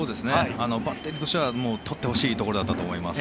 バッテリーとしては取ってほしいところだったと思います。